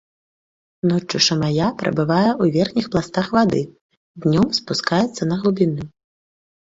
Ноччу шамая прабывае ў верхніх пластах вады, днём спускаецца на глыбіню.